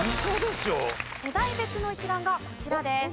世代別の一覧がこちらです。